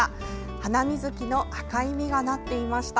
ハナミズキの赤い実がなっていました。